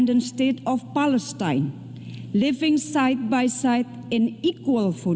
kekuatan palestina hidup satu satu di dalam pertempuran yang sama